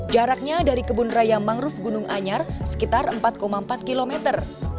jaraknya dari kebun raya mangrove gunung anyar sekitar empat empat kilometer